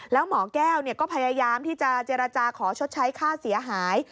แล้วหมอแก้วก็พยายามที่จะเจรจาขอชดใช้ค่าเสียหาย